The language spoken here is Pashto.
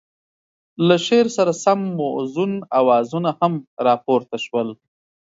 له شعر سره سم موزون اوازونه هم را پورته شول.